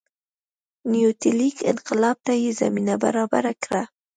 نیولیتیک انقلاب ته یې زمینه برابره کړه